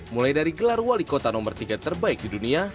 mulai dari gelar wali kota nomor tiga terbaik di dunia